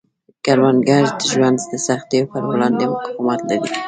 کروندګر د ژوند د سختیو پر وړاندې مقاومت لري